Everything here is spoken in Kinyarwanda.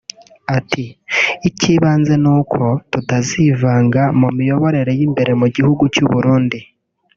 Ati”icy’ibanze ni uko tutazivanga mu miyoborere y’imbere mu gihugu cy’u Burundi